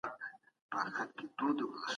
چې غرونه نړوي.